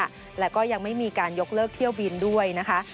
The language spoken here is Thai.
น่าเป็นห่วงค่ะและก็ยังไม่มีการยกเลิกเที่ยวบินด้วยนะคะ